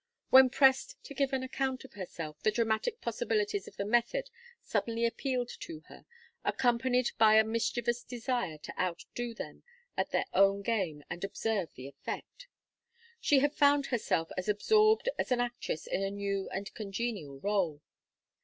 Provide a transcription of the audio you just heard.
When pressed to give an account of herself the dramatic possibilities of the method suddenly appealed to her, accompanied by a mischievous desire to outdo them at their own game and observe the effect. She had found herself as absorbed as an actress in a new and congenial rôle.